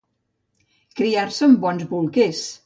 Criar-se en bons bolquers.